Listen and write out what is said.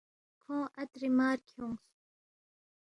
کھونگ عطری مار کھیونگس